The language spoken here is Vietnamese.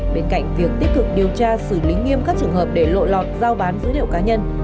bên cạnh việc tích cực điều tra xử lý nghiêm các trường hợp để lộ lọt giao bán dữ liệu cá nhân